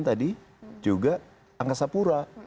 dan juga angka sapura